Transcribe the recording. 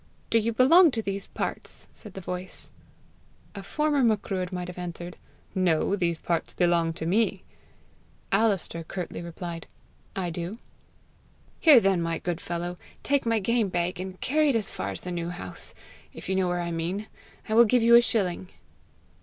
"Do you belong to these parts?" said the voice. A former Macruadh might have answered, "No; these parts belong to me;" Alister curtly replied, "I do." "Here then, my good fellow! take my game bag, and carry it as far as the New House if you know where I mean. I will give you a shilling."